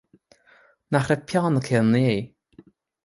Nach raibh peann aici inné